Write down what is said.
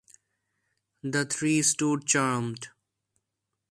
The three stood charmed.